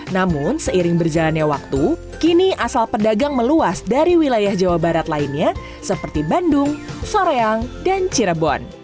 namun seiring berjalannya waktu kini asal pedagang meluas dari wilayah jawa barat lainnya seperti bandung soreang dan cirebon